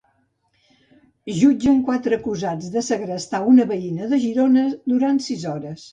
Jutgen quatre acusats de segrestar una veïna de Girona durant sis hores.